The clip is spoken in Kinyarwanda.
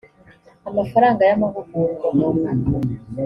amafaranga y amahugurwa